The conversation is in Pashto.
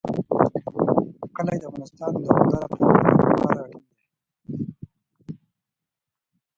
کلي د افغانستان د دوامداره پرمختګ لپاره اړین دي.